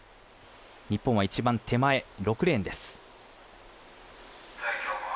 日本は一番手前、６レーンです。